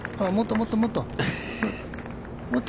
もっともっともっと。